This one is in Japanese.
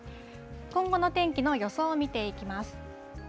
今後の天気の予想を見ていきます。